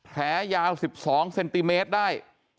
แผลยาว๑๒เซนติเมตรได้